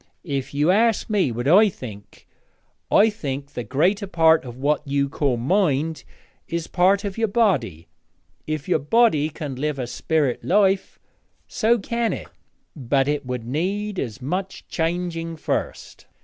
If you ask me what I think, I think the greater part of what you call mind is part of your body. If your body can live a spirit life, so can it; but it would need as much changing first.'